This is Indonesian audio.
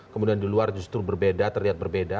kemudian di luar justru berbeda terlihat berbeda